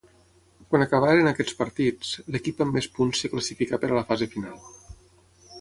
Quan acabaren aquests partits, l'equip amb més punts es classificà per a la fase final.